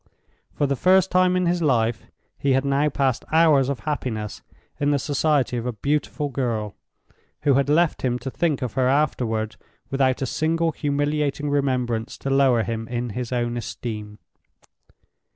For the first time in his life he had now passed hours of happiness in the society of a beautiful girl, who had left him to think of her afterward without a single humiliating remembrance to lower him in his own esteem.